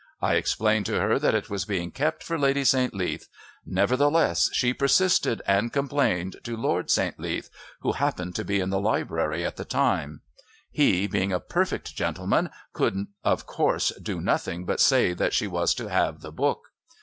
I explained to her that it was being kept for Lady St. Leath; nevertheless, she persisted and complained to Lord St. Leath, who happened to be in the Library at the time; he, being a perfect gentleman, could of course do nothing but say that she was to have the book.